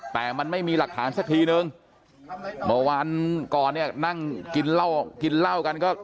แต่มันไม่มีหลักฐานซักทีหนึ่งเมื่อวานก่อนนั่งกินเล่ากัน